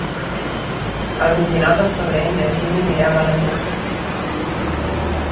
El vint-i-nou de febrer na Gina anirà a Balenyà.